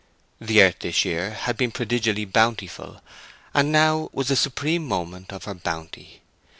The earth this year had been prodigally bountiful, and now was the supreme moment of her bounty.